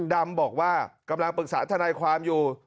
ดำบอกว่ากำลังปรึกษาทนายความอยู่